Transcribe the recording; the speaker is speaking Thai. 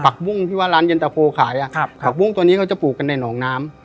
บุ้งที่ว่าร้านเย็นตะโพขายอ่ะครับผักบุ้งตัวนี้เขาจะปลูกกันในหนองน้ำ